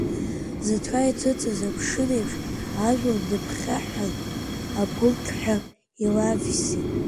Зыҭра иҭыҵыз амшын еиԥш, ажәлар дныԥхьаҳәҳәан, агурқьҳәа илаивсит.